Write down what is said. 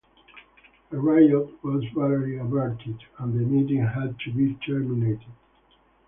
A riot was barely averted, and the meeting had to be terminated.